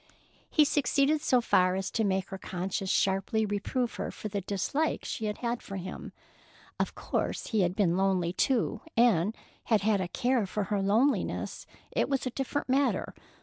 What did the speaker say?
He succeeded so far as to make her conscience sharply reprove her for the dislike she had for him. Of course if he had been lonely, too, and had had a care for her loneliness, it was a different matter.